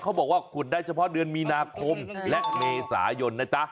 เขาบอกว่าขุดได้เฉพาะเดือนมีนาคมและเมษายนนะจ๊ะ